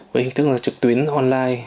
với hình thức trực tuyến online